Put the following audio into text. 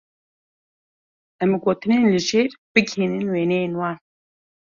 Em gotinên li jêr bigihînin wêneyên wan.